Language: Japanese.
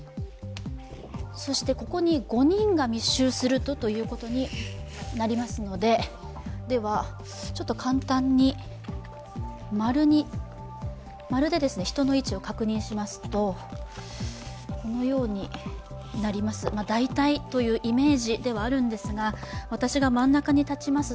そしてここに５人が密集するとということになりますので簡単に丸で人の位置を確認しますと、このようになります、大体というイメージではあるんですが、私が真ん中に立ちます。